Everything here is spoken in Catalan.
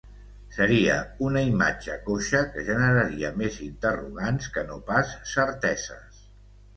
Seria una imatge coixa, que generaria més interrogants que no pas certeses.